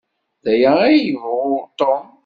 D aya ad yebɣu Tom?